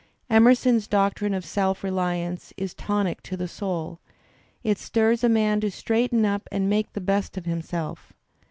Emerson's doctrine of self reliance is tonic to the soul, it I stirs a man to straighten up and make the best of himself.